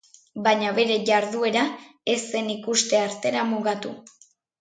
Baina bere jarduera ez zen ikuste-artera mugatu.